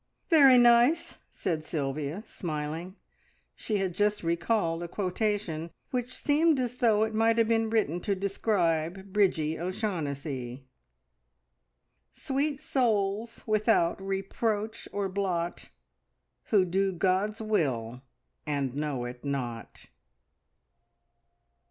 "Very nice!" said Sylvia, smiling. She had just recalled a quotation which seemed as though it might have been written to describe Bridgie O'Shaughnessy "Sweet souls without reproach or blot, Who do God's will and know it not!"